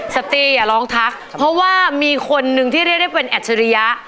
สติอย่ารองทักเพราะว่ามีคนหนึ่งที่เรียกได้เป็นแอดเสรียะ